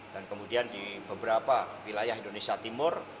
dan kemudian di beberapa wilayah indonesia timur